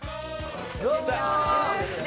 どうも。